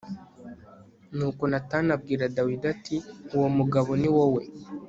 nuko natani abwira dawidi ati “uwo mugabo ni wowe